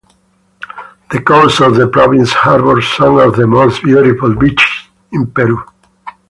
The coast of the province harbors some of the most beautiful beaches in Peru.